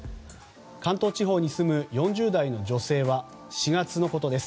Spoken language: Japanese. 関東地方に住む４０代の女性は４月のことです。